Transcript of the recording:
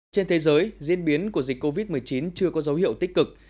trên thế giới diễn biến của dịch covid một mươi chín chưa có dấu hiệu tích cực